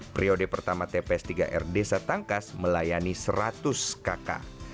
periode pertama tps tiga r desa tangkas melayani seratus kakak